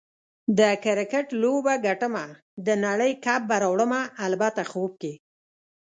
د کرکټ لوبه ګټمه، د نړۍ کپ به راوړمه - البته خوب کې